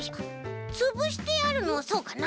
つぶしてあるのそうかな？